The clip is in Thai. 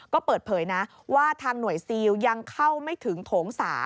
ก็เปิดเผยนะว่าทางหน่วยซีลยังเข้าไม่ถึงโถง๓